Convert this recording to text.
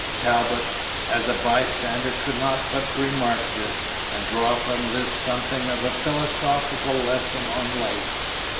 Talbot, as a by stander, could not but remark this, and draw from this something of a philosophical lesson on life.